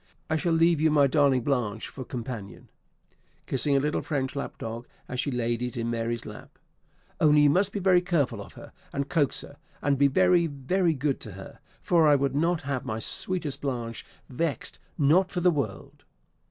I shall leave you my darling Blanche for companion," kissing a little French lap dog as she laid it in Mary's lap; "only you must be very careful of her, and coax her, and be very, very good to her; for I would not have my sweetest Blanche vexed, not for the world!"